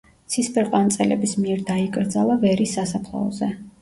ცისფერყანწელების მიერ დაიკრძალა ვერის სასაფლაოზე.